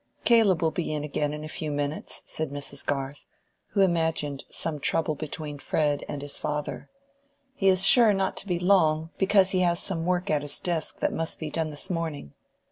"Caleb will be in again in a few minutes," said Mrs. Garth, who imagined some trouble between Fred and his father. "He is sure not to be long, because he has some work at his desk that must be done this morning.